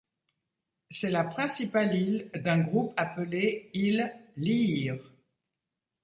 C'est la principale île d'un groupe appelé îles Lihir.